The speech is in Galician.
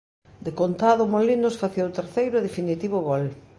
Decontado Molinos facía o terceiro e definitivo gol.